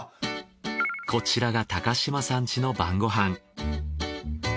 こちらが高嶋さん家の晩ご飯。